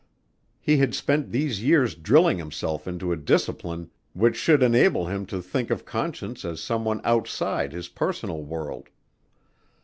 He had spent these years drilling himself into a discipline which should enable him to think of Conscience as someone outside his personal world.